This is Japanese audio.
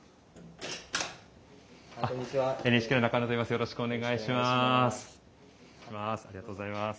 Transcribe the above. よろしくお願いします。